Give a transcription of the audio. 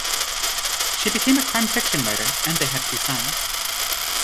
She became a crime-fiction writer and they had two sons.